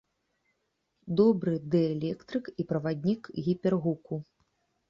Добры дыэлектрык і праваднік гіпергуку.